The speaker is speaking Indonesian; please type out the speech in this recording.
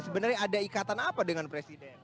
sebenarnya ada ikatan apa dengan presiden